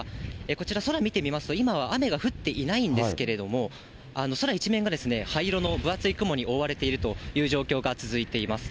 こちら、空見てみますと、今は雨が降っていないんですけれども、空一面が灰色の分厚い雲に覆われているという状況が続いています。